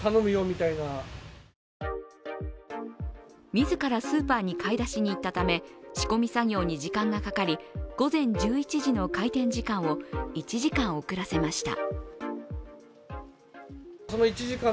自らスーパーに買い出しにいったため、仕込み作業に時間がかかり午前１１時の開店時間を１時間遅らせました。